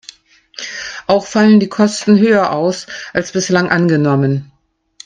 Auch fallen die Kosten höher aus, als bislang angenommen.